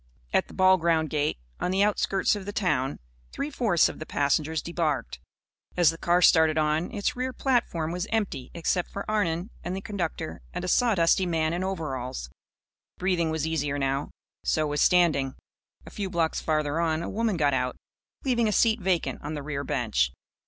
At the ball ground gate, on the outskirts of the town, three fourths of the passengers debarked. As the car started on, its rear platform was empty except for Arnon and the conductor and a sawdusty man in overalls. Breathing was easier now. So was standing. A few blocks farther on, a woman got out, leaving a seat vacant on the rear bench.